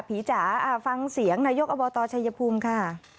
จ๋าฟังเสียงนายกอบตชัยภูมิค่ะ